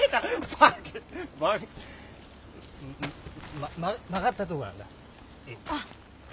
バカ曲がったとこなんだ。